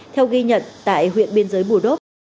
theo ghi nhận tại huyện biên giới bù đốc